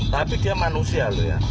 tapi dia manusia